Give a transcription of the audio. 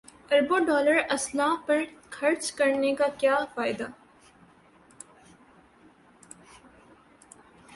اربوں ڈالر اسلحے پر خرچ کرنے کا کیا فائدہ